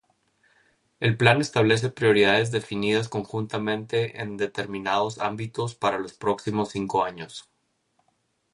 El plan establece "prioridades definidas conjuntamente en determinados ámbitos para los próximos cinco años".